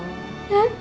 えっ。